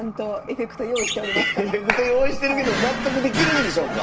エフェクト用意してるけど納得できるんでしょうか？